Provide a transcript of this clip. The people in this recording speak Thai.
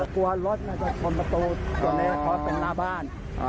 กลัวรถจะพนประตูตรงหน้าบ้าน